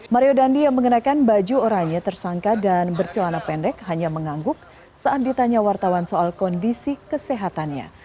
mario dandi yang mengenakan baju oranye tersangka dan bercelana pendek hanya mengangguk saat ditanya wartawan soal kondisi kesehatannya